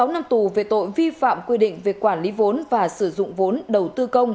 sáu năm tù về tội vi phạm quy định về quản lý vốn và sử dụng vốn đầu tư công